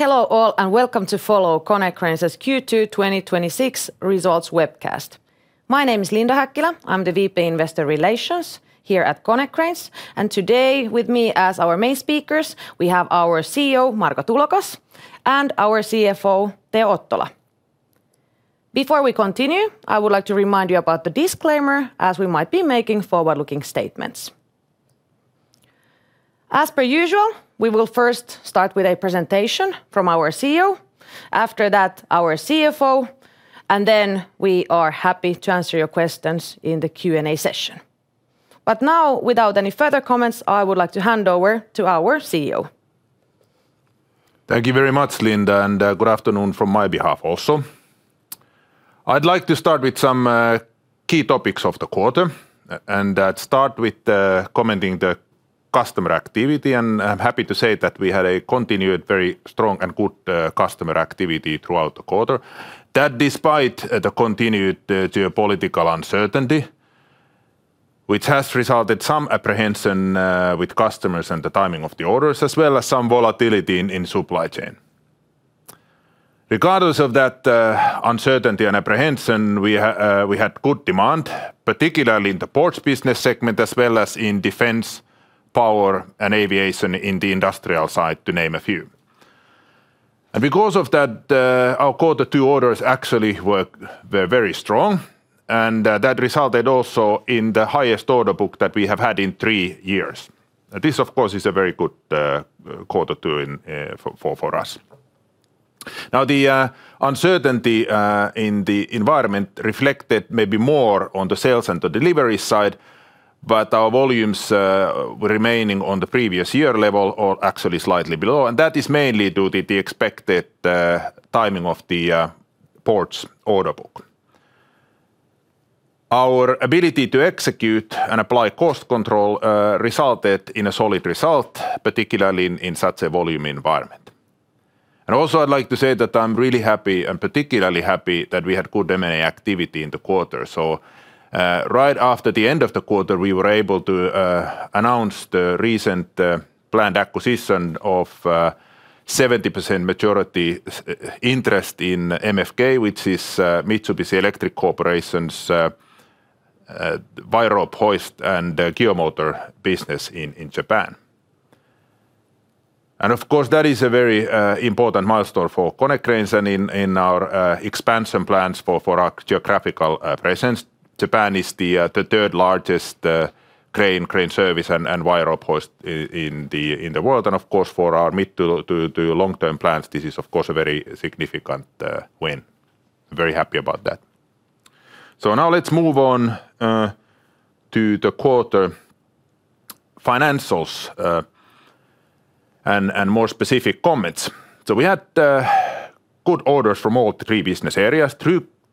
Hello all, welcome to Follow Konecranes' Q2 2026 results webcast. My name is Linda Häkkilä. I'm the VP Investor Relations here at Konecranes, and today with me as our main speakers, we have our CEO, Marko Tulokas, and our CFO, Teo Ottola. Before we continue, I would like to remind you about the disclaimer, as we might be making forward-looking statements. As per usual, we will first start with a presentation from our CEO. After that, our CFO, then we are happy to answer your questions in the Q&A session. Now, without any further comments, I would like to hand over to our CEO. Thank you very much, Linda, good afternoon from my behalf also. I'd like to start with some key topics of the quarter and start with commenting the customer activity. I'm happy to say that we had a continued very strong and good customer activity throughout the quarter. That despite the continued geopolitical uncertainty, which has resulted some apprehension with customers and the timing of the orders, as well as some volatility in supply chain. Regardless of that uncertainty and apprehension, we had good demand, particularly in the ports business segment, as well as in defense, power, and aviation in the industrial side, to name a few. Because of that, our quarter two orders actually were very strong, and that resulted also in the highest order book that we have had in three years. This, of course, is a very good quarter two for us. The uncertainty in the environment reflected maybe more on the sales and the delivery side, our volumes remaining on the previous year level or actually slightly below, and that is mainly due to the expected timing of the ports order book. Our ability to execute and apply cost control resulted in a solid result, particularly in such a volume environment. Also, I'd like to say that I'm really happy, and particularly happy, that we had good M&A activity in the quarter. Right after the end of the quarter, we were able to announce the recent planned acquisition of 70% majority interest in MFK, which is Mitsubishi Electric Corporation's wire rope hoist and gear motor business in Japan. Of course, that is a very important milestone for Konecranes and in our expansion plans for our geographical presence. Japan is the third-largest crane service, and wire rope hoist in the world. Of course, for our mid to long-term plans, this is of course a very significant win. Very happy about that. Now let's move on to the quarter financials and more specific comments. We had good orders from all three business areas.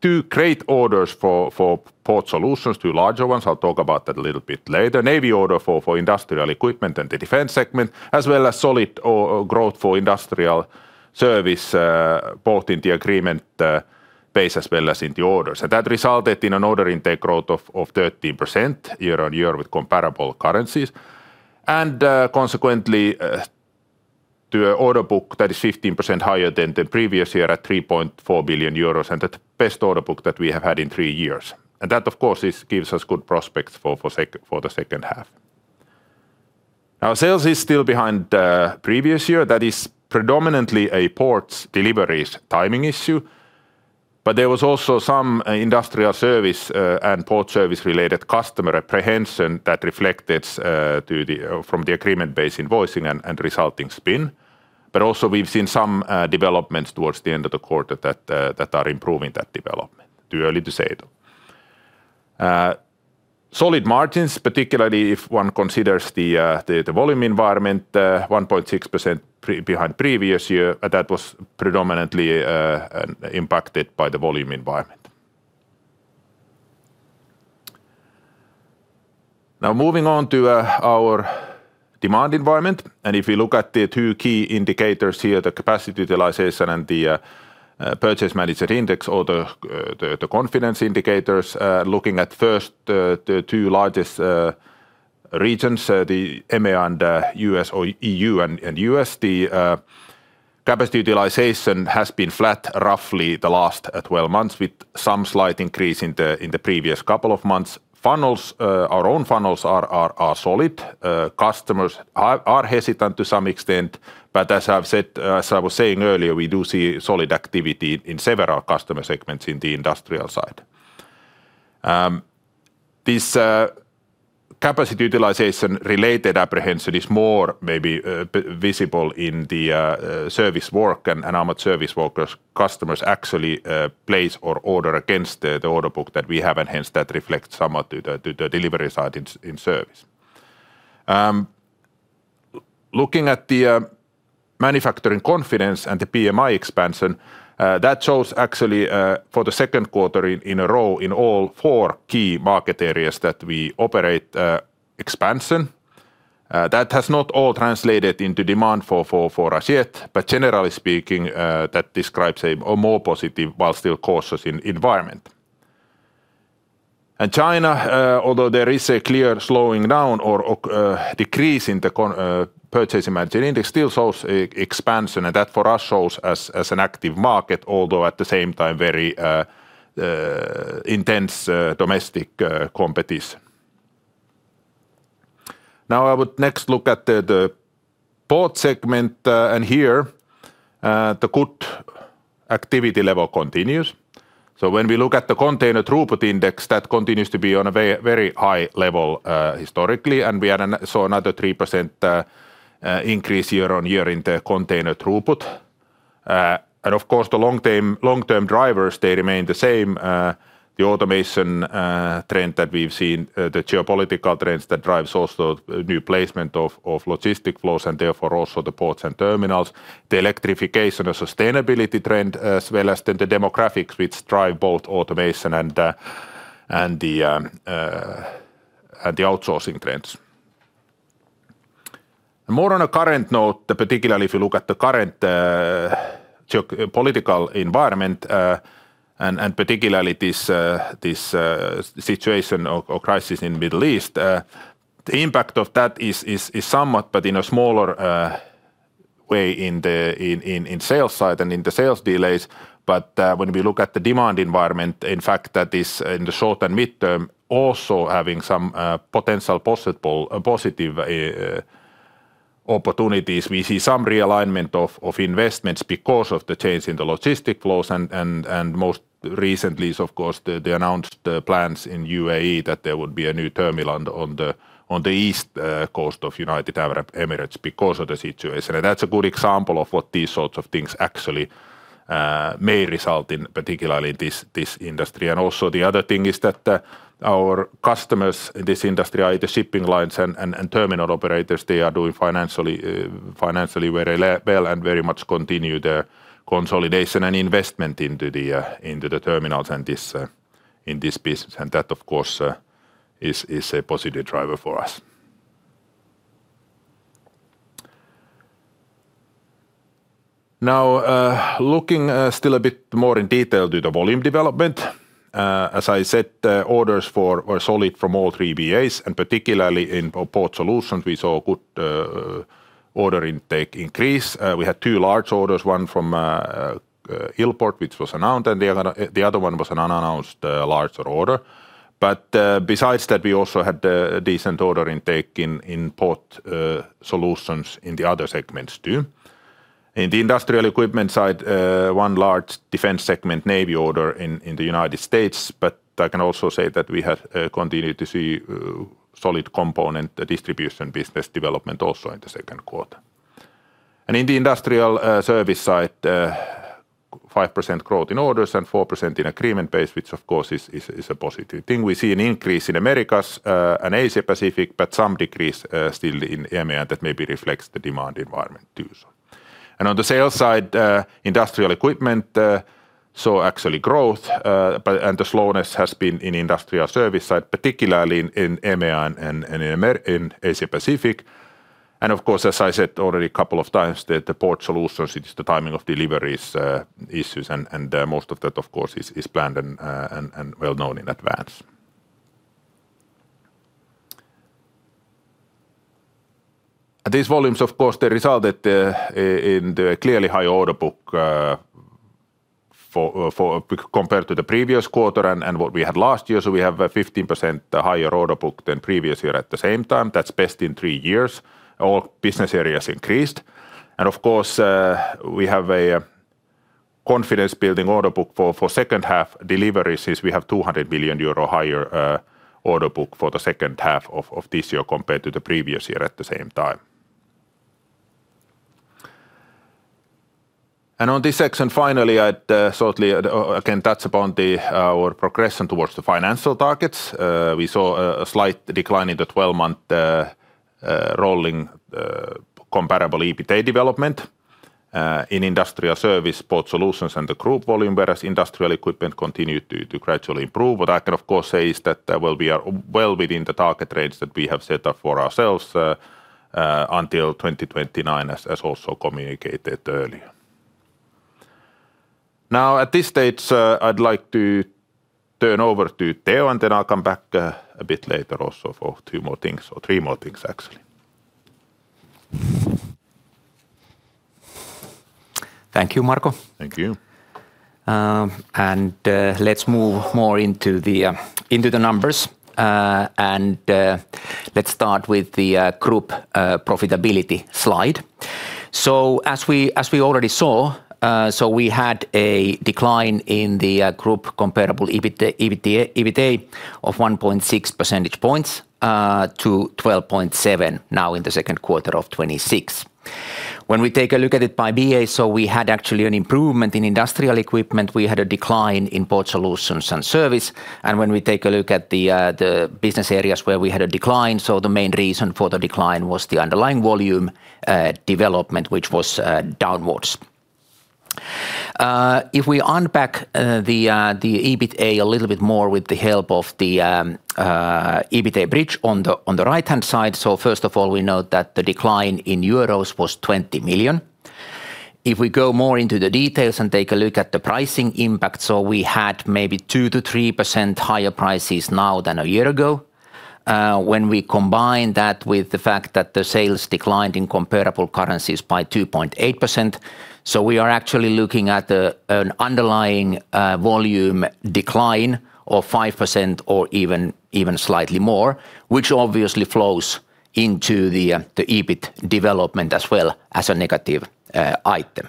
Two great orders for Port Solutions, two larger ones. I'll talk about that a little bit later. Navy order for Industrial Equipment and the defense segment, as well as solid growth for Industrial Service, both in the agreement base as well as in the orders. That resulted in an order intake growth of 13% year-on-year with comparable currencies. Consequently, to order book that is 15% higher than the previous year at 3.4 billion euros. The best order book that we have had in three years. That, of course, gives us good prospects for the second half. Sales is still behind previous year. That is predominantly a ports deliveries timing issue. There was also some Industrial Service and Port Solutions-related customer apprehension that reflected from the agreement-based invoicing and resulting spin. Also we've seen some developments towards the end of the quarter that are improving that development. Too early to say, though. Solid margins, particularly if one considers the volume environment, 1.6% behind previous year. That was predominantly impacted by the volume environment. Moving on to our demand environment, if you look at the two key indicators here, the capacity utilization and the Purchasing Managers' Index or the confidence indicators. Looking at first, the two largest regions, the EMEA and U.S. or EU and U.S. The capacity utilization has been flat roughly the last 12 months with some slight increase in the previous couple of months. Funnels, our own funnels are solid. Customers are hesitant to some extent, as I was saying earlier, we do see solid activity in several customer segments in the industrial side. This capacity utilization-related apprehension is more maybe visible in the service work and how much service workers, customers actually place or order against the order book that we have and hence that reflects somewhat to the delivery side in service. Looking at the manufacturing confidence and the PMI expansion, that shows actually for the second quarter in a row in all four key market areas that we operate expansion. That has not all translated into demand for us yet, generally speaking, that describes a more positive while still cautious environment. China, although there is a clear slowing down or decrease in the Purchasing Managers' Index, still shows expansion. That, for us, shows as an active market, although at the same time very intense domestic competition. I would next look at the Port Solutions segment, here the good activity level continues. When we look at the Container Throughput Index, that continues to be on a very high level historically, we saw another 3% increase year-on-year in the container throughput. Of course, the long-term drivers remain the same. The automation trend that we've seen, the geopolitical trends that drives also new placement of logistic flows and therefore also the ports and terminals, the electrification and sustainability trend, as well as then the demographics which drive both automation and the outsourcing trends. More on a current note, particularly if you look at the current geopolitical environment and particularly this situation or crisis in Middle East, the impact of that is somewhat, in a smaller way in sales side and in the sales delays. When we look at the demand environment, in fact, that is in the short and mid-term also having some potential positive opportunities. We see some realignment of investments because of the change in the logistic flows and most recently, of course, they announced the plans in U.A.E. that there would be a new terminal on the east coast of United Arab Emirates because of the situation. That's a good example of what these sorts of things actually may result in, particularly in this industry. Also the other thing is that our customers in this industry are the shipping lines and terminal operators. They are doing financially very well and very much continue their consolidation and investment into the terminals in this business. That, of course, is a positive driver for us. Looking still a bit more in detail to the volume development. As I said, orders were solid from all three BAs, and particularly in Port Solutions, we saw good order intake increase. We had two large orders, one from YILPORT, which was announced, and the other one was an unannounced larger order. Besides that, we also had a decent order intake in Port Solutions in the other segments, too. In the Industrial Equipment side, one large defense segment Navy order in the U.S. I can also say that we have continued to see solid component distribution business development also in the second quarter. In the Industrial Service side, 5% growth in orders and 4% in agreement base, which of course is a positive thing. We see an increase in Americas and Asia-Pacific, but some decrease still in EMEA that maybe reflects the demand environment, too. On the sales side, Industrial Equipment saw actually growth, and the slowness has been in Industrial Service side, particularly in EMEA and in Asia-Pacific. Of course, as I said already a couple of times, the Port Solutions, it's the timing of deliveries issues and most of that, of course, is planned and well-known in advance. These volumes, of course, they resulted in the clearly high order book compared to the previous quarter and what we had last year. We have a 15% higher order book than previous year at the same time. That's best in three years. All business areas increased. Of course, we have a confidence-building order book for second half deliveries is we have 200 million euro higher order book for the second half of this year compared to the previous year at the same time. On this section, finally, I'd shortly again touch upon our progression towards the financial targets. We saw a slight decline in the 12-month rolling comparable EBITA development in Industrial Service, Port Solutions, and the group volume, whereas Industrial Equipment continued to gradually improve. What I can, of course, say is that we are well within the target range that we have set up for ourselves until 2029, as also communicated earlier. At this stage, I'd like to turn over to Teo, and then I'll come back a bit later also for two more things, or three more things, actually. Thank you, Marko. Thank you. Let's move more into the numbers. Let's start with the group profitability slide. As we already saw, we had a decline in the group comparable EBITA of 1.6 percentage points to 12.7% now in the second quarter of 2026. When we take a look at it by BA, we had actually an improvement in Industrial Equipment. We had a decline in Port Solutions and Service. When we take a look at the business areas where we had a decline, the main reason for the decline was the underlying volume development, which was downwards. If we unpack the EBITA little bit more with the help of the EBITA bridge on the right-hand side. First of all, we note that the decline in euros was 20 million. If we go more into the details and take a look at the pricing impact, we had maybe 2%-3% higher prices now than a year ago. When we combine that with the fact that the sales declined in comparable currencies by 2.8%, we are actually looking at an underlying volume decline of 5% or even slightly more, which obviously flows into the EBIT development as well as a negative item.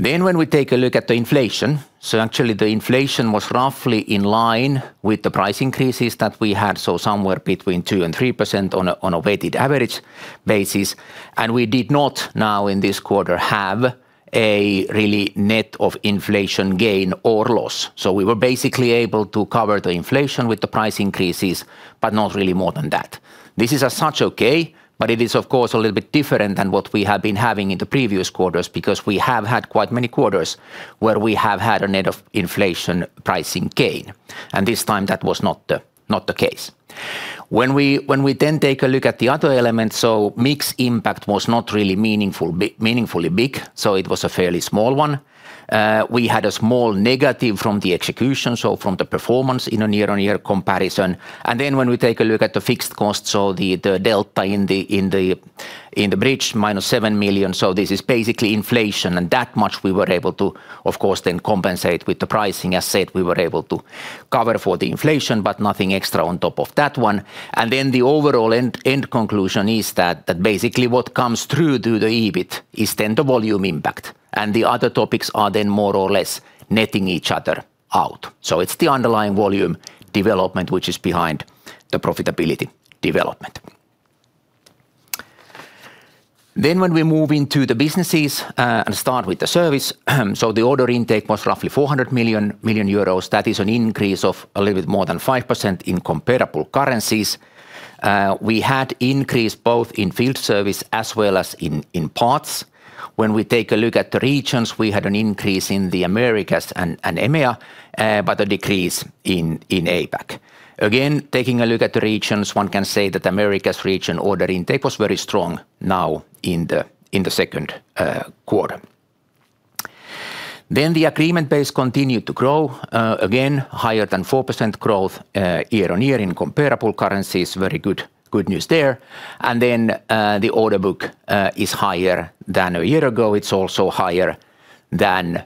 When we take a look at the inflation, actually the inflation was roughly in line with the price increases that we had, somewhere between 2% and 3% on a weighted average basis. We did not now in this quarter have a really net of inflation gain or loss. We were basically able to cover the inflation with the price increases, but not really more than that. This is as such okay, but it is of course a little bit different than what we have been having in the previous quarters because we have had quite many quarters where we have had a net of inflation pricing gain. This time that was not the case. When we then take a look at the other elements, mix impact was not really meaningfully big, it was a fairly small one. We had a small negative from the execution, from the performance in a year-on-year comparison. When we take a look at the fixed costs, the delta in the bridge, -7 million, this is basically inflation. That much we were able to, of course, then compensate with the pricing. As said, we were able to cover for the inflation, but nothing extra on top of that one. The overall end conclusion is that basically what comes through to the EBIT is the volume impact. The other topics are more or less netting each other out. It's the underlying volume development which is behind the profitability development. When we move into the businesses and start with the service, the order intake was roughly 400 million euros. That is an increase of a little bit more than 5% in comparable currencies. We had increase both in field service as well as in parts. When we take a look at the regions, we had an increase in the Americas and APAC, but a decrease in EMEA. Again, taking a look at the regions, one can say that Americas region order intake was very strong now in the second quarter. The agreement base continued to grow, again higher than 4% growth year-on-year in comparable currencies. Very good news there. The order book is higher than a year ago. It's also higher than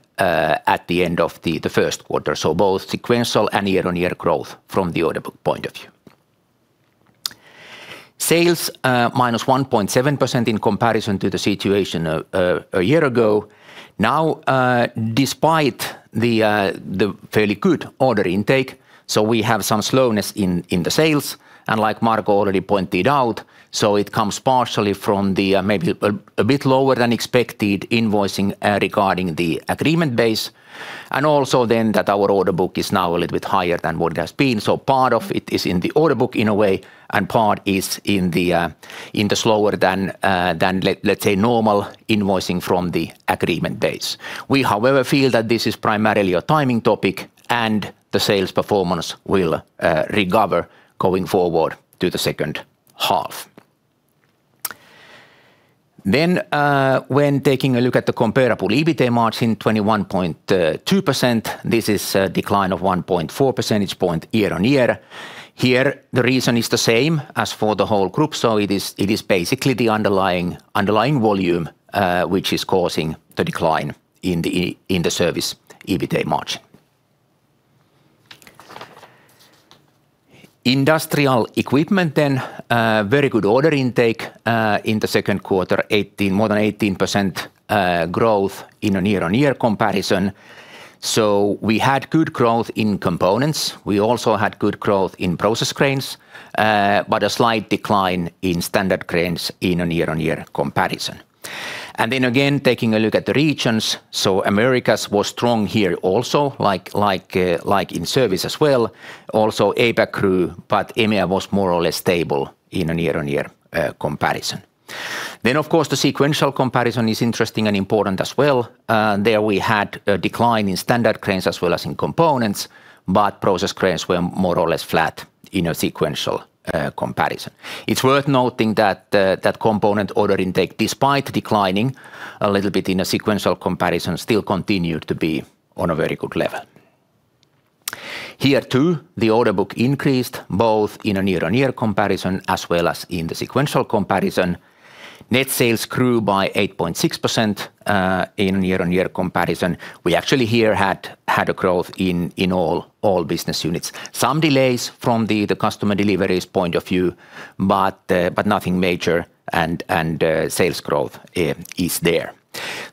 at the end of the first quarter. Both sequential and year-on-year growth from the order book point of view. Sales, -1.7% in comparison to the situation a year ago. Now, despite the fairly good order intake, we have some slowness in the sales. Like Marko already pointed out, it comes partially from the maybe a bit lower than expected invoicing regarding the agreement base. Our order book is now a little bit higher than what it has been. Part of it is in the order book in a way, and part is in the slower than, let's say, normal invoicing from the agreement base. We, however, feel that this is primarily a timing topic, and the sales performance will recover going forward to the second half. When taking a look at the comparable EBITA margin, 21.2%, this is a decline of 1.4 percentage point year-on-year. Here, the reason is the same as for the whole group. It is basically the underlying volume which is causing the decline in the service EBITA margin. Industrial Equipment, very good order intake in the second quarter, more than 18% growth in a year-on-year comparison. We had good growth in components. We also had good growth in process cranes, but a slight decline in standard cranes in a year-on-year comparison. Again, taking a look at the regions. Americas was strong here also, like in service as well. Also APAC grew, but EMEA was more or less stable in a year-on-year comparison. Of course, the sequential comparison is interesting and important as well. There, we had a decline in standard cranes as well as in components, but process cranes were more or less flat in a sequential comparison. It's worth noting that component order intake, despite declining a little bit in a sequential comparison, still continued to be on a very good level. Here too, the order book increased both in a year-on-year comparison as well as in the sequential comparison. Net sales grew by 8.6% in year-on-year comparison. We actually here had a growth in all business units. Some delays from the customer deliveries point of view, but nothing major, and sales growth is there.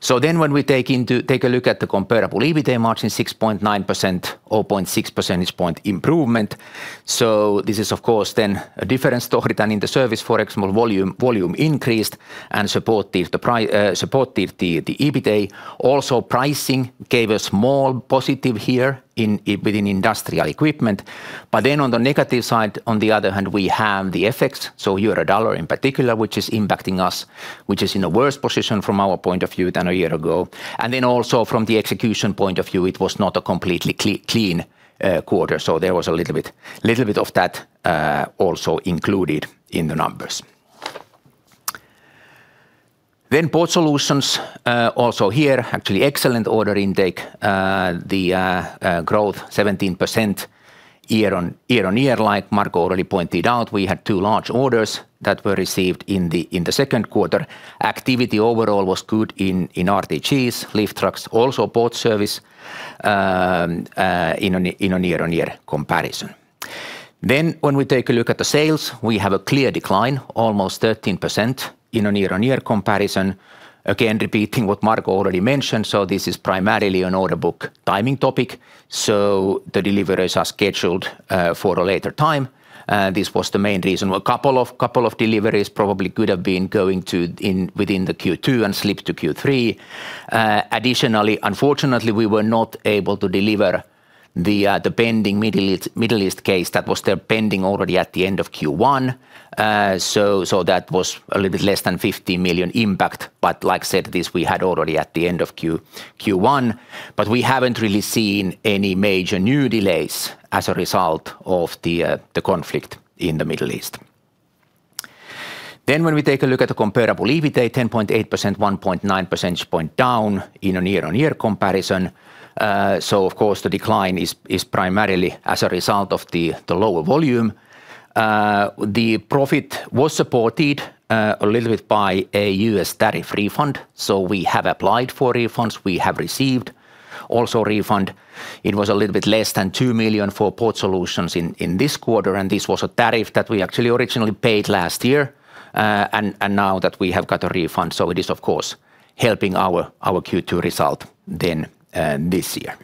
When we take a look at the comparable EBITA margin, 6.9%, 0.6 percentage point improvement. This is of course then a different story than in the service. For example, volume increased and supported the EBITA. Also pricing gave a small positive here within Industrial Equipment. On the negative side, on the other hand, we have the effects. So euro-dollar in particular, which is impacting us, which is in a worse position from our point of view than a year ago. And also from the execution point of view, it was not a completely clean quarter. So there was a little bit of that also included in the numbers. Port Solutions also here, actually excellent order intake. The growth 17% year-on-year. Like Marko already pointed out, we had two large orders that were received in the second quarter. Activity overall was good in RTGs, lift trucks, also port service in a year-on-year comparison. When we take a look at the sales, we have a clear decline, almost 13% in a year-on-year comparison. Again, repeating what Marko already mentioned, this is primarily an order book timing topic, so the deliveries are scheduled for a later time. This was the main reason. Well, couple of deliveries probably could have been going within the Q2 and slipped to Q3. Additionally, unfortunately, we were not able to deliver the pending Middle East case that was still pending already at the end of Q1. So that was a little bit less than 50 million impact. But like I said, this we had already at the end of Q1, but we haven't really seen any major new delays as a result of the conflict in the Middle East. When we take a look at the comparable EBITA, 10.8%, 1.9 percentage point down in a year-on-year comparison. Of course, the decline is primarily as a result of the lower volume. The profit was supported a little bit by a U.S. tariff refund. We have applied for refunds. We have received also refund. It was a little bit less than 2 million for Port Solutions in this quarter, and this was a tariff that we actually originally paid last year. And now that we have got a refund, so it is of course helping our Q2 result this year.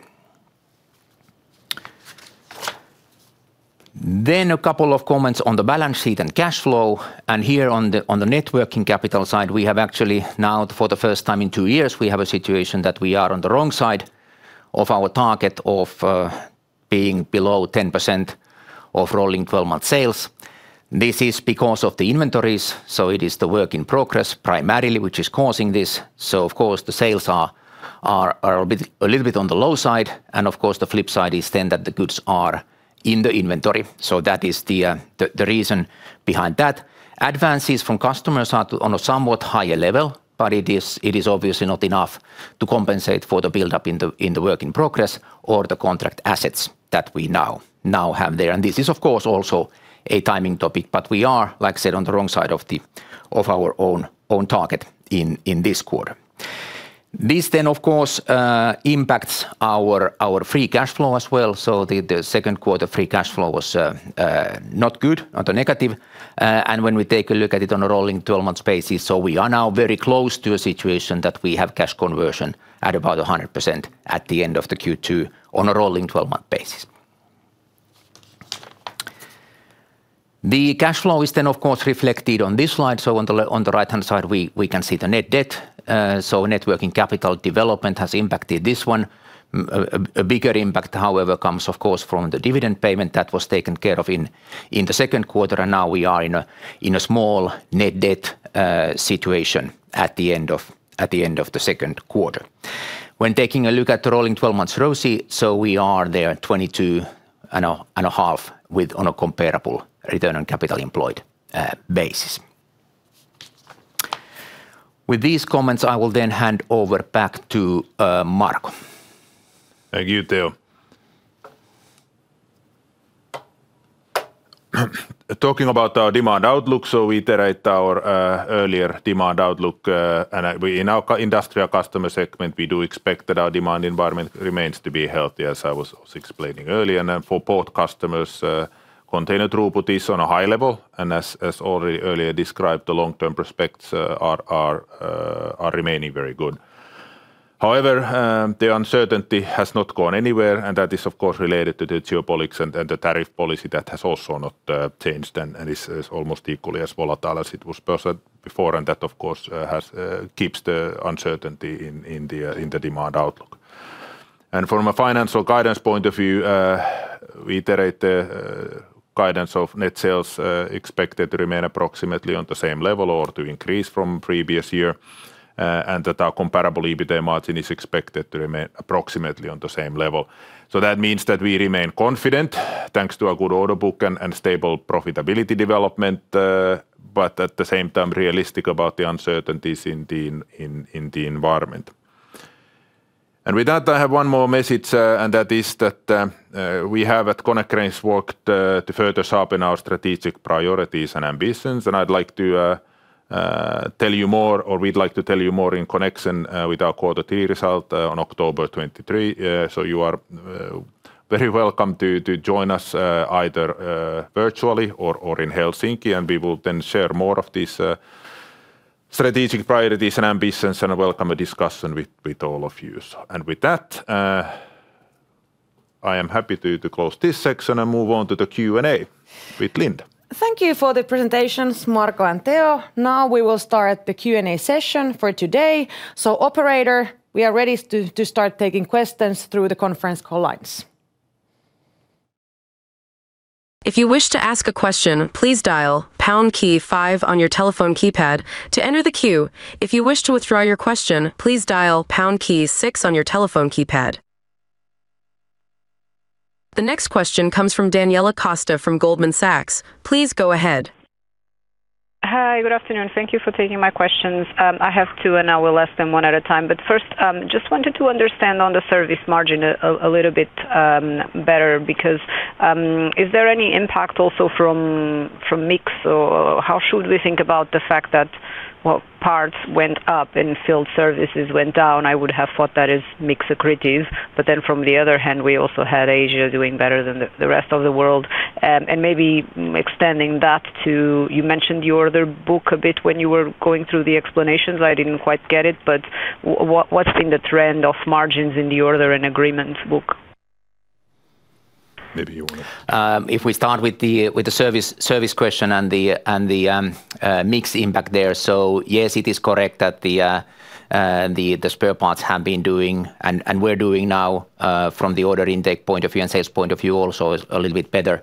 A couple of comments on the balance sheet and free cash flow. And here on the net working capital side, we have actually now, for the first time in two years, we have a situation that we are on the wrong side of our target of being below 10% of rolling 12-month sales. This is because of the inventories, so it is the work in progress primarily, which is causing this. Of course, the sales are a little bit on the low side. That is the reason behind that. Advances from customers are on a somewhat higher level, but it is obviously not enough to compensate for the build-up in the work in progress or the contract assets that we now have there. This is of course, also a timing topic, but we are, like I said, on the wrong side of our own target in this quarter. This then, of course, impacts our free cash flow as well. The second quarter free cash flow was not good, on the negative. When we take a look at it on a rolling 12-month basis, we are now very close to a situation that we have cash conversion at about 100% at the end of the Q2 on a rolling 12-month basis. The cash flow is then, of course, reflected on this slide. On the right-hand side, we can see the net debt. Net working capital development has impacted this one. A bigger impact, however, comes of course from the dividend payment that was taken care of in the second quarter, and now we are in a small net debt situation at the end of the second quarter. When taking a look at the rolling 12-month ROCE, we are there 22.5% on a comparable return on capital employed basis. With these comments, I will then hand over back to Marko. Thank you, Teo. Talking about our demand outlook, we iterate our earlier demand outlook, and in our industrial customer segment, we do expect that our demand environment remains to be healthy, as I was explaining earlier. For port customers, container throughput is on a high level, and as already earlier described, the long-term prospects are remaining very good. However, the uncertainty has not gone anywhere, and that is, of course, related to the geopolitics and the tariff policy that has also not changed and is almost equally as volatile as it was percent before. That, of course, keeps the uncertainty in the demand outlook. From a financial guidance point of view, we iterate the guidance of net sales expected to remain approximately on the same level or to increase from previous year. That our comparable EBITA margin is expected to remain approximately on the same level. That means that we remain confident, thanks to a good order book and stable profitability development. At the same time, realistic about the uncertainties in the environment. With that, I have one more message, and that is that we have at Konecranes worked to further sharpen our strategic priorities and ambitions. I'd like to tell you more, or we'd like to tell you more in connection with our quarter three result on October 23. You are very welcome to join us either virtually or in Helsinki, and we will then share more of these strategic priorities and ambitions, and welcome a discussion with all of you. With that, I am happy to close this section and move on to the Q&A with Linda. Thank you for the presentations, Marko and Teo. Now we will start the Q&A session for today. Operator, we are ready to start taking questions through the conference call lines. If you wish to ask a question, please dial pound key five on your telephone keypad to enter the queue. If you wish to withdraw your question, please dial pound key six on your telephone keypad. The next question comes from Daniela Costa from Goldman Sachs. Please go ahead. Hi. Good afternoon. Thank you for taking my questions. I have two, and I will ask them one at a time. First, just wanted to understand on the service margin a little bit better, because is there any impact also from mix? How should we think about the fact that parts went up and field services went down? I would have thought that is mix accretive. From the other hand, we also had Asia doing better than the rest of the world. Maybe extending that to, you mentioned the order book a bit when you were going through the explanations. I didn't quite get it, what's been the trend of margins in the order and agreement book? Maybe you want to If we start with the service question and the mix impact there. Yes, it is correct that the spare parts have been doing, and we're doing now, from the order intake point of view and sales point of view also, a little bit better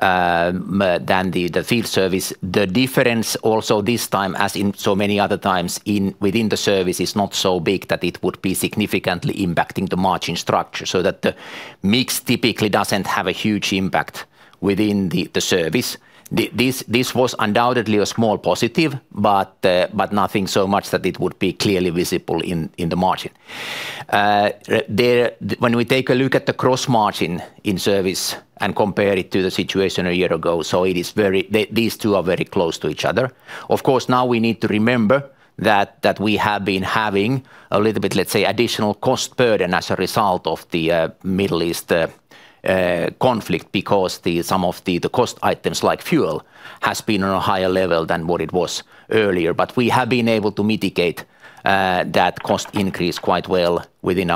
than the field service. The difference also this time, as in so many other times within the service is not so big that it would be significantly impacting the margin structure, so that the mix typically doesn't have a huge impact within the service. This was undoubtedly a small positive, nothing so much that it would be clearly visible in the margin. When we take a look at the cross margin in service and compare it to the situation a year ago, these two are very close to each other. Of course, now we need to remember that we have been having a little bit, let's say, additional cost burden as a result of the Middle East conflict because some of the cost items like fuel has been on a higher level than what it was earlier. We have been able to mitigate that cost increase quite well with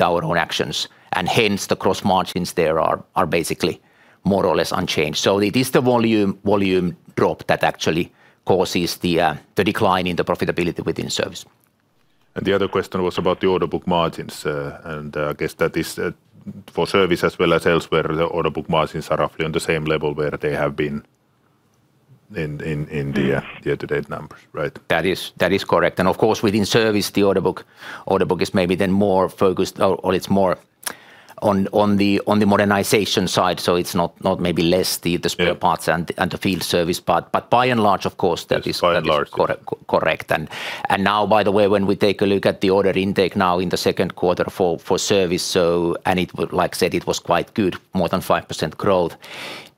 our own actions, and hence the cross margins there are basically more or less unchanged. It is the volume drop that actually causes the decline in the profitability within service. The other question was about the order book margins. I guess that is for service as well as elsewhere, the order book margins are roughly on the same level where they have been in the year-to-date numbers, right? That is correct. Of course, within service, the order book is maybe then more focused or it's more on the modernization side, so it's not maybe less the spare parts. Yeah The field service part. By and large, of course, that is correct. By and large. Now, by the way, when we take a look at the order intake now in the second quarter for service, like I said, it was quite good, more than 5% growth.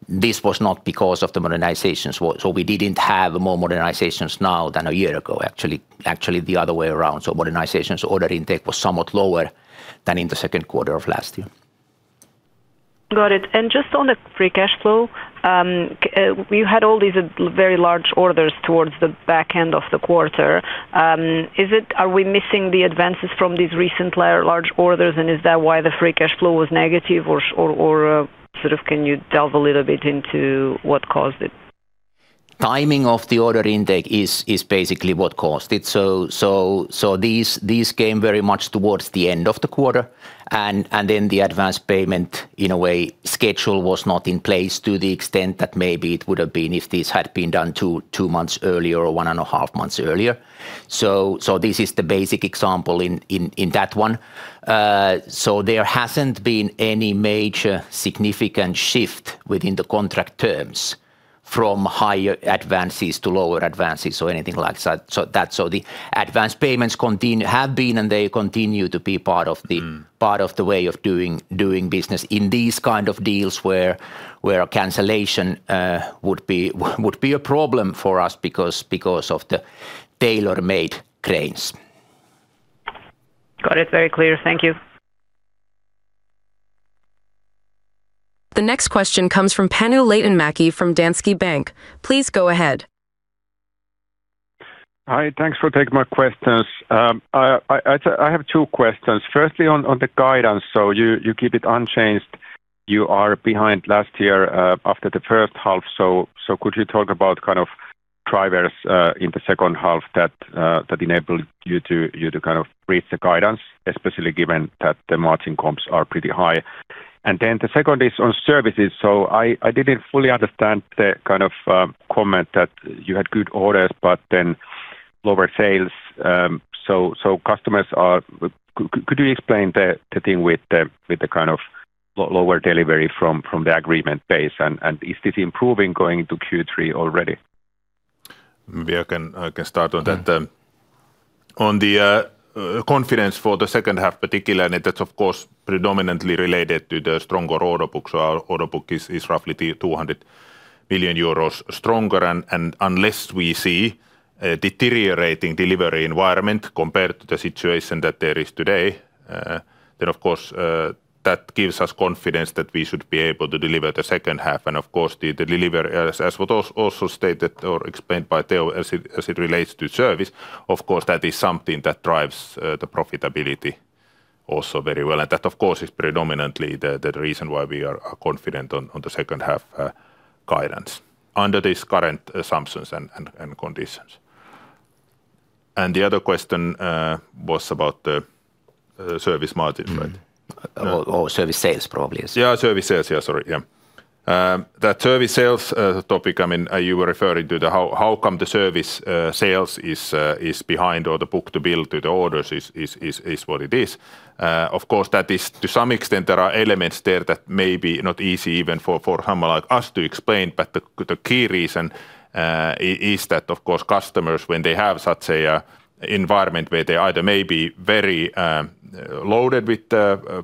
This was not because of the modernizations. We didn't have more modernizations now than a year ago. Actually, the other way around. Modernizations order intake was somewhat lower than in the second quarter of last year. Got it. Just on the free cash flow. You had all these very large orders towards the back end of the quarter. Are we missing the advances from these recent large orders, and is that why the free cash flow was negative? Can you delve a little bit into what caused it? Timing of the order intake is basically what caused it. These came very much towards the end of the quarter, and then the advanced payment, in a way, schedule was not in place to the extent that maybe it would've been if this had been done two months earlier or one and a half months earlier. This is the basic example in that one. There hasn't been any major significant shift within the contract terms from higher advances to lower advances or anything like that. The advanced payments have been, and they continue to be part of the way of doing business in these kind of deals where a cancellation would be a problem for us because of the tailor-made cranes. Got it very clear. Thank you. The next question comes from Panu Laitinmäki from Danske Bank. Please go ahead. Hi. Thanks for taking my questions. I have two questions. Firstly, on the guidance. You keep it unchanged. You are behind last year after the first half, so could you talk about drivers in the second half that enabled you to reach the guidance, especially given that the margin comps are pretty high? The second is on services. I didn't fully understand the comment that you had good orders but then lower sales. Could you explain the thing with the lower delivery from the agreement base, and is this improving going into Q3 already? Maybe I can start on that. On the confidence for the second half particularly, and that's of course predominantly related to the stronger order book. Our order book is roughly 200 million euros stronger. Unless we see a deteriorating delivery environment compared to the situation that there is today, then of course that gives us confidence that we should be able to deliver the second half. Of course, as was also stated or explained by Teo as it relates to service, of course, that is something that drives the profitability also very well. That, of course, is predominantly the reason why we are confident on the second half guidance under these current assumptions and conditions. The other question was about the service margin, right? Or service sales probably. Service sales. That service sales topic you were referring to, how come the service sales is behind, or the book-to-bill to the orders is what it is. Of course, to some extent, there are elements there that may be not easy even for someone like us to explain. The key reason is that, of course, customers, when they have such an environment where they either may be very loaded with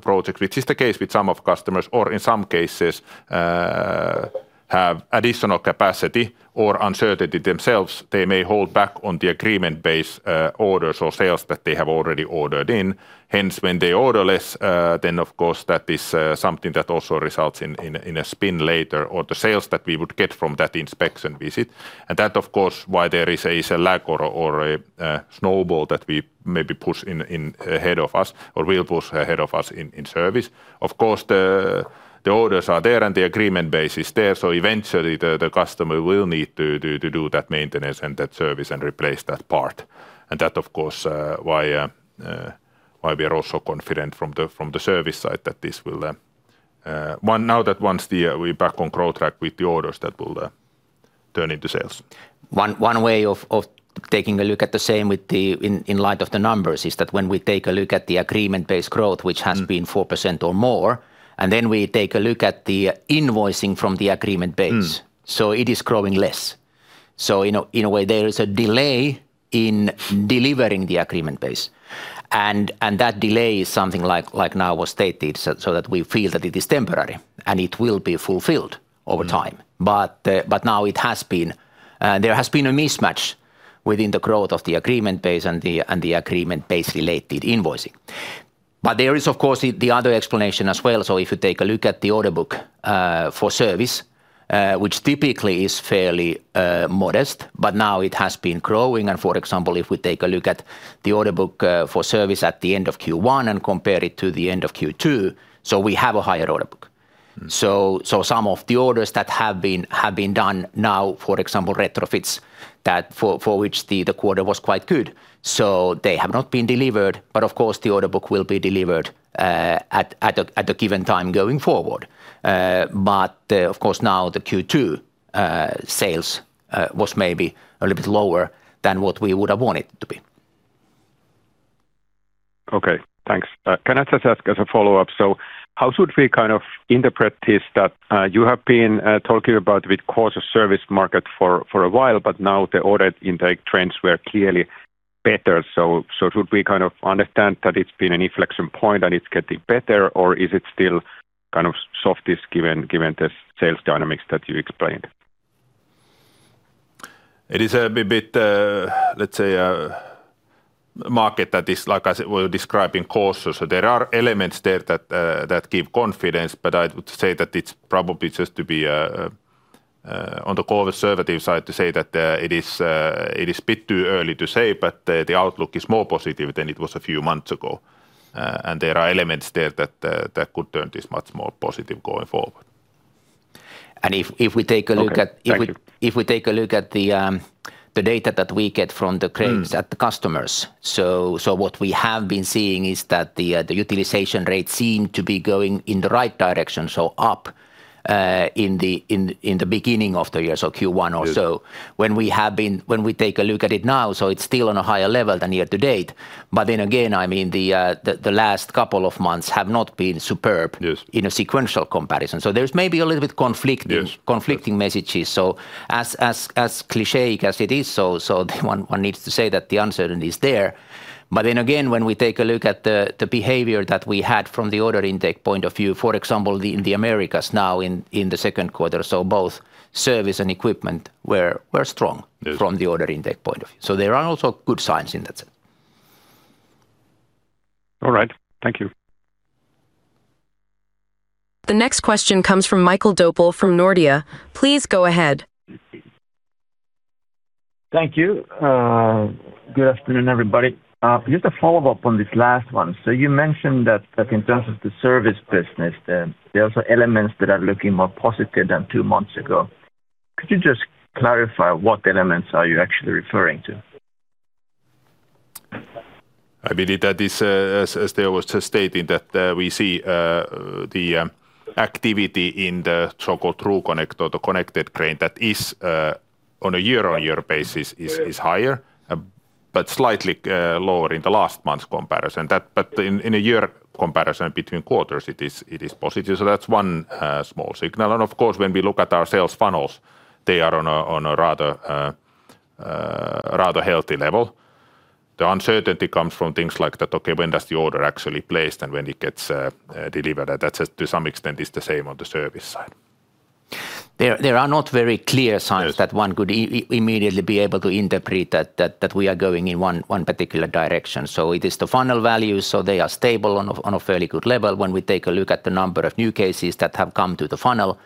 projects, which is the case with some of customers, or in some cases have additional capacity or uncertainty themselves, they may hold back on the agreement-based orders or sales that they have already ordered in. When they order less, then of course that is something that also results in a spin later or the sales that we would get from that inspection visit. That, of course, why there is a lag or a snowball that we maybe push ahead of us, or will push ahead of us in service. Of course, the orders are there and the agreement base is there, so eventually the customer will need to do that maintenance and that service and replace that part. That, of course, why we are also confident from the service side that now that once we're back on growth track with the orders, that will turn into sales. One way of taking a look at the same in light of the numbers is that when we take a look at the agreement-based growth, which has been 4% or more, and then we take a look at the invoicing from the agreement base. It is growing less. In a way, there is a delay in delivering the agreement base, and that delay is something like now was stated, so that we feel that it is temporary, and it will be fulfilled over time. Now there has been a mismatch within the growth of the agreement base and the agreement base related invoicing. There is, of course, the other explanation as well. If you take a look at the order book for service, which typically is fairly modest, but now it has been growing. For example, if we take a look at the order book for service at the end of Q1 and compare it to the end of Q2, we have a higher order book. Some of the orders that have been done now, for example, retrofits that for which the quarter was quite good. They have not been delivered, but of course, the order book will be delivered at a given time going forward. Now the Q2 sales was maybe a little bit lower than what we would have wanted it to be. Okay, thanks. Can I just ask as a follow-up, how should we interpret this that you have been talking about with softer service market for a while, but now the order intake trends were clearly better? Should we understand that it's been an inflection point and it's getting better, or is it still soft given the sales dynamics that you explained? It is a bit, let's say, a market that is, like I said, we're describing softer. There are elements there that give confidence, but I would say that it's probably just to be on the conservative side to say that it is a bit too early to say, but the outlook is more positive than it was a few months ago. There are elements there that could turn this much more positive going forward. If we take a look Okay. Thank you The data that we get from the cranes at the customers. What we have been seeing is that the utilization rates seem to be going in the right direction, so up in the beginning of the year, so Q1 or so. Yes. When we take a look at it now, so it's still on a higher level than year to date. The last couple of months have not been superb. Yes in a sequential comparison. There's maybe a little bit conflicting Yes messages. As cliche as it is, one needs to say that the uncertainty is there. Again, when we take a look at the behavior that we had from the order intake point of view, for example, in the Americas now in the second quarter, both service and equipment were strong Yes from the order intake point of view. There are also good signs in that sense. All right. Thank you. The next question comes from Mikael Doepel from Nordea. Please go ahead. Thank you. Good afternoon, everybody. Just a follow-up on this last one. You mentioned that in terms of the service business, there are also elements that are looking more positive than two months ago. Could you just clarify what elements are you actually referring to? I believe that is, as Teo was just stating, that we see the activity in the so-called TRUCONNECT or the connected crane that is on a year-on-year basis is higher, slightly lower in the last month comparison. In a year comparison between quarters, it is positive. That's one small signal. Of course, when we look at our sales funnels, they are on a rather healthy level. The uncertainty comes from things like that, okay, when does the order actually placed and when it gets delivered? That to some extent is the same on the service side. There are not very clear signs. Yes that one could immediately be able to interpret that we are going in one particular direction. It is the funnel values, they are stable on a fairly good level when we take a look at the number of new cases that have come to the funnel.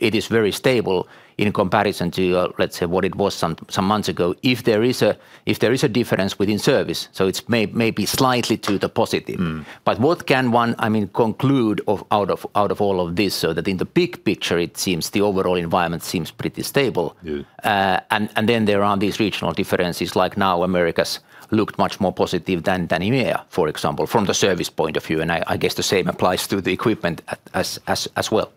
It is very stable in comparison to, let's say, what it was some months ago. If there is a difference within service, it is maybe slightly to the positive. What can one conclude out of all of this? That in the big picture, the overall environment seems pretty stable. Yes. There are these regional differences, like now Americas looked much more positive than EMEA, for example, from the service point of view. I guess the same applies to the equipment as well.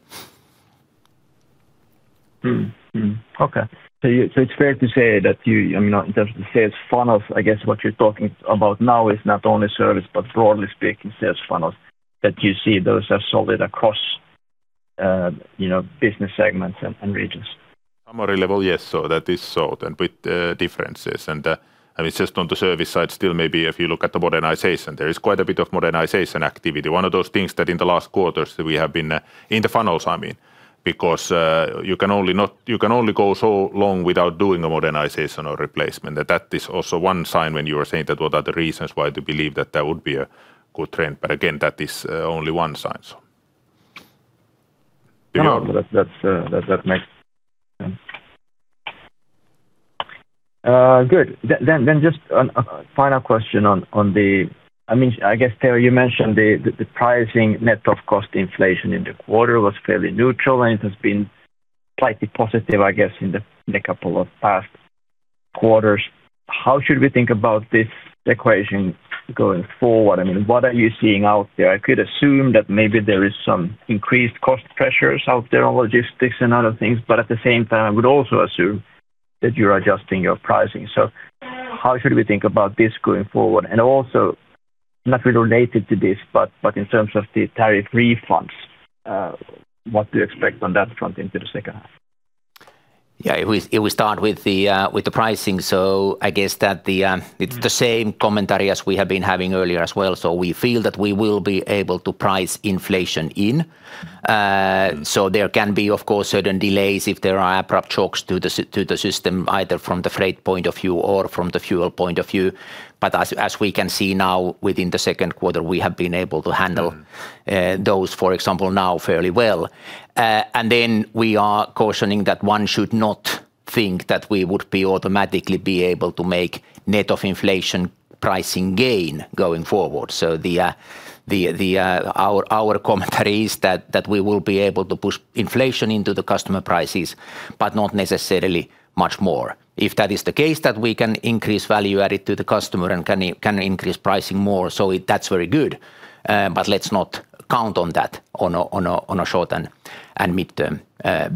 Okay. It is fair to say that in terms of sales funnels, I guess what you are talking about now is not only service, but broadly speaking, sales funnels that you see those are solid across business segments and regions. Summary level, yes. That is so, and with differences. It is just on the service side still, maybe if you look at the modernization, there is quite a bit of modernization activity. One of those things that in the last quarters we have been in the funnels, I mean, because you can only go so long without doing a modernization or replacement. That is also one sign when you are saying that what are the reasons why they believe that that would be a good trend. Again, that is only one sign. No, that makes sense. Good. Just a final question on the, I guess, Teo, you mentioned the pricing net of cost inflation in the quarter was fairly neutral, and it has been slightly positive, I guess, in the couple of past quarters. How should we think about this equation going forward? What are you seeing out there? I could assume that maybe there is some increased cost pressures out there on logistics and other things. At the same time, I would also assume that you're adjusting your pricing. How should we think about this going forward? Also not related to this, but in terms of the tariff refunds, what do you expect on that front into the second half? Yeah. If we start with the pricing. I guess that it's the same commentary as we have been having earlier as well. We feel that we will be able to price inflation in. There can be, of course, certain delays if there are abrupt chokes to the system, either from the freight point of view or from the fuel point of view. As we can see now within the second quarter, we have been able to handle those, for example, now fairly well. We are cautioning that one should not think that we would be automatically be able to make net of inflation pricing gain going forward. Our commentary is that we will be able to push inflation into the customer prices, but not necessarily much more. If that is the case, that we can increase value added to the customer and can increase pricing more. That's very good. Let's not count on that on a short and midterm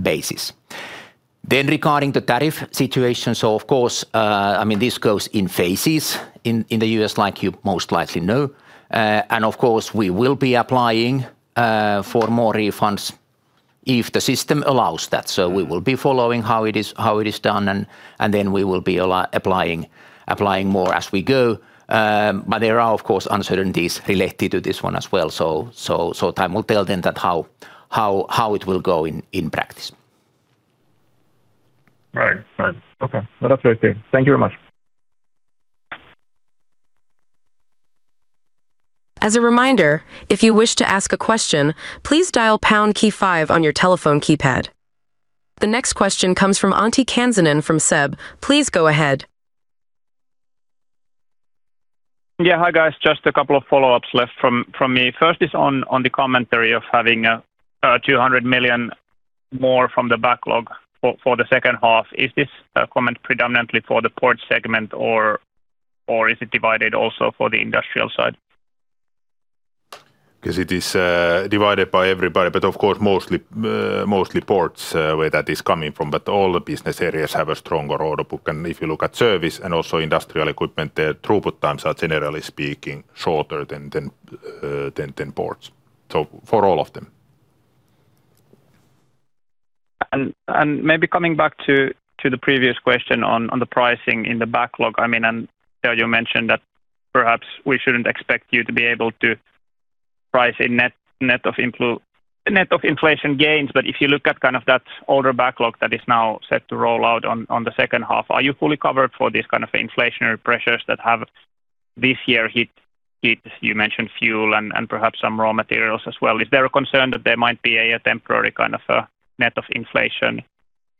basis. Regarding the tariff situation, of course, this goes in phases in the U.S., like you most likely know. Of course, we will be applying for more refunds if the system allows that. We will be following how it is done, and then we will be applying more as we go. There are, of course, uncertainties related to this one as well. Time will tell then how it will go in practice. Right. Okay. That's very clear. Thank you very much. As a reminder, if you wish to ask a question, please dial pound key five on your telephone keypad. The next question comes from Antti Kansanen from SEB. Please go ahead. Yeah. Hi, guys. Just a couple of follow-ups left from me. First is on the commentary of having 200 million more from the backlog for the second half. Is this comment predominantly for the port segment, or is it divided also for the industrial side? It is divided by everybody, but of course, mostly ports where that is coming from. All the business areas have a stronger order book. If you look at service and also Industrial Equipment, their throughput times are generally speaking shorter than ports. For all of them. Maybe coming back to the previous question on the pricing in the backlog. Teo, you mentioned that perhaps we shouldn't expect you to be able to price in net of inflation gains. If you look at that older backlog that is now set to roll out on the second half, are you fully covered for these kind of inflationary pressures that have this year hit, you mentioned fuel and perhaps some raw materials as well? Is there a concern that there might be a temporary kind of a net of inflation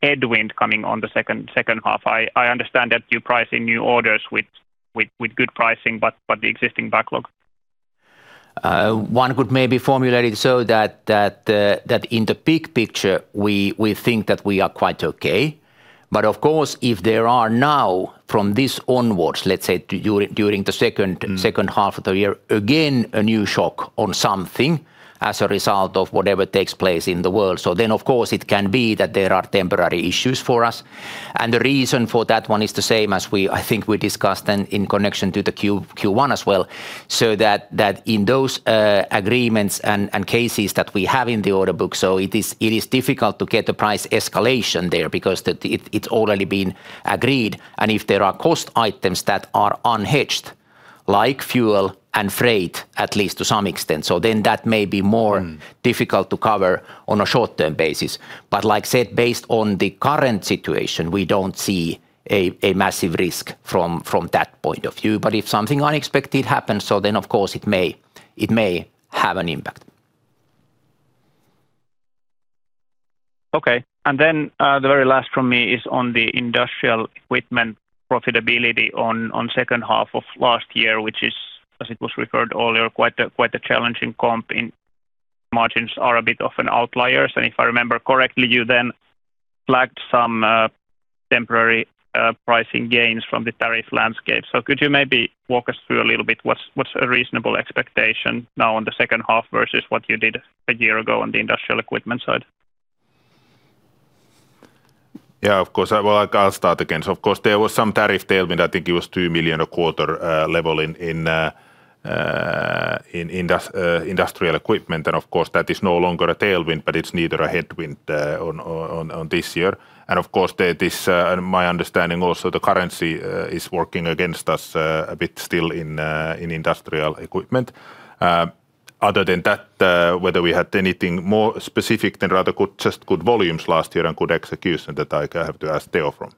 headwind coming on the second half? I understand that you price in new orders with good pricing, but the existing backlog? One could maybe formulate it so that in the big picture, we think that we are quite okay. Of course, if there are now from this onwards, let's say during the second half of the year, again, a new shock on something as a result of whatever takes place in the world. Of course, it can be that there are temporary issues for us. The reason for that one is the same as I think we discussed in connection to the Q1 as well. In those agreements and cases that we have in the order book, so it is difficult to get the price escalation there because it's already been agreed. If there are cost items that are unhedged, like fuel and freight, at least to some extent, so then that may be more difficult to cover on a short-term basis. Like I said, based on the current situation, we don't see a massive risk from that point of view. If something unexpected happens, so then of course it may have an impact. Okay. Then the very last from me is on the Industrial Equipment profitability on second half of last year, which is, as it was referred earlier, quite a challenging comp in margins are a bit of an outliers. If I remember correctly, you then flagged some temporary pricing gains from the tariff landscape. Could you maybe walk us through a little bit what's a reasonable expectation now in the second half versus what you did a year ago on the Industrial Equipment side? Of course. I'll start again. Of course, there was some tariff tailwind. I think it was 2 million a quarter level in Industrial Equipment. Of course, that is no longer a tailwind, but it's neither a headwind on this year. Of course, my understanding also, the currency is working against us a bit still in Industrial Equipment. Other than that, whether we had anything more specific than just good volumes last year and good execution, that I have to ask Teo from.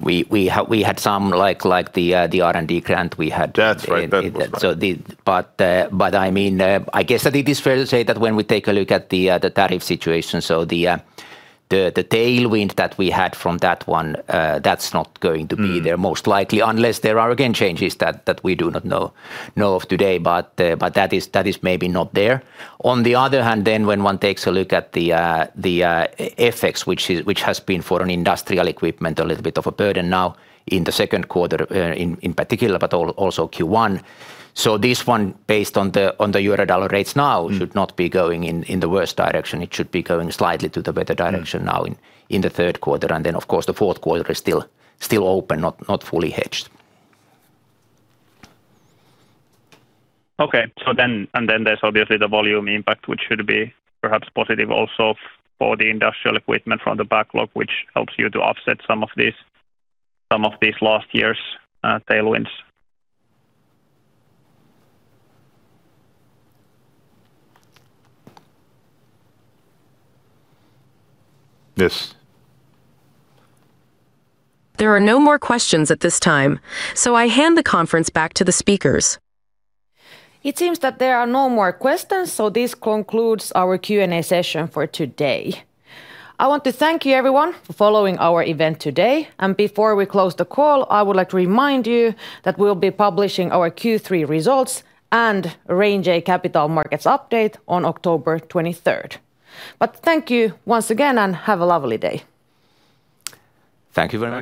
We had some, like the R&D grant we had. That's right. That was right. I guess that it is fair to say that when we take a look at the tariff situation, the tailwind that we had from that one, that's not going to be there most likely. Unless there are, again, changes that we do not know of today, but that is maybe not there. On the other hand, when one takes a look at the FX, which has been for an Industrial Equipment, a little bit of a burden now in the second quarter in particular, but also Q1. This one, based on the euro-dollar rates now, should not be going in the worst direction. It should be going slightly to the better direction now in the third quarter. Of course, the fourth quarter is still open, not fully hedged. Okay. There's obviously the volume impact, which should be perhaps positive also for the Industrial Equipment from the backlog, which helps you to offset some of these last year's tailwinds. Yes. There are no more questions at this time. I hand the conference back to the speakers. It seems that there are no more questions, so this concludes our Q&A session for today. I want to thank you everyone for following our event today. Before we close the call, I would like to remind you that we'll be publishing our Q3 results and arrange a Capital Markets Day update on October 23rd. Thank you once again, and have a lovely day. Thank you very much.